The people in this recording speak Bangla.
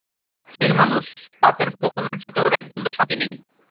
ছেলেমানুষ, বাপের বকুনির চোটে ওর একদণ্ড শান্তি নেই।